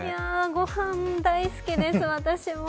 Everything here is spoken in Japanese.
ご飯大好きです、私も。